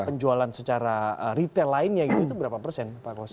penjualan secara retail lainnya gitu itu berapa persen pak kos